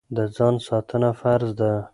د ځان ساتنه فرض ده.